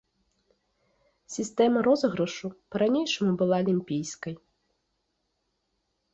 Сістэма розыгрышу па-ранейшаму была алімпійскай.